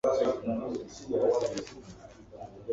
Zuukuka tubeeko kyetukola ku makya.